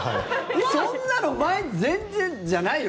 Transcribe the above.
そんなの全然じゃないよ